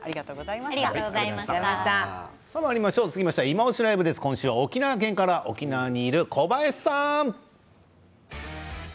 続きましては「いまオシ！ＬＩＶＥ」です。今週は沖縄県から小林さん。